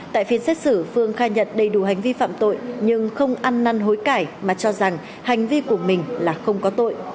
tại phiên xét xử phương khai nhận đầy đủ hành vi phạm tội nhưng không ăn năn hối cải mà cho rằng hành vi của mình là không có tội